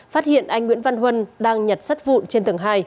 phát hiện anh nguyễn văn huân đang nhặt sắt vụn trên tầng hai